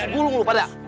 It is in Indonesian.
gulung lu pada